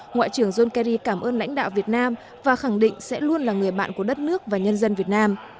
ngoại trưởng john kerry cảm ơn lãnh đạo việt nam và khẳng định sẽ luôn là người bạn của đất nước và nhân dân việt nam